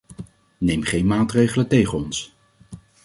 Neem geen maatregelen tegen ons.